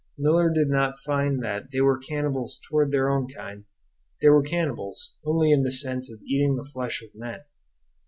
Miller did not find that they were cannibals toward their own kind; they were "cannibals" only in the sense of eating the flesh of men.